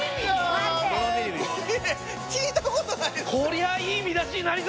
聞いたことない。